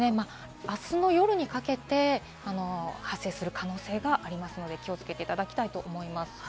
あすの夜にかけて発生する可能性がありますので、気をつけていただきたいと思います。